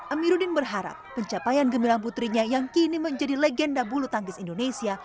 amiruddin berharap pencapaian gemilang putrinya yang kini menjadi legenda bulu tangkis indonesia